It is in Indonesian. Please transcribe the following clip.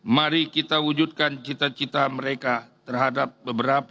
mari kita wujudkan cita cita mereka terhadap beberapa